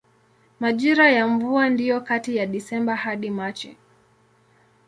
Majira ya mvua ndiyo kati ya Desemba hadi Machi.